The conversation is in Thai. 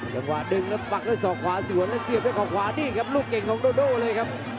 จังหวะดึงแล้วปักได้สอกขาสวยแล้วเสียมือขอกขาวนี่ครับลูกเก่งของโดโด่เลยครับ